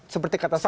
seperti kata saya